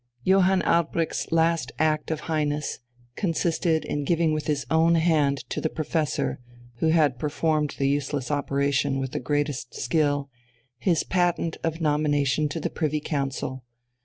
Johann Albrecht's last act of Highness consisted in giving with his own hand to the professor, who had performed the useless operation with the greatest skill, his patent of nomination to the Privy Council.